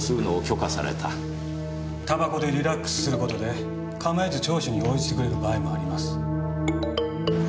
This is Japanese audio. タバコでリラックスする事で構えず聴取に応じてくれる場合もあります。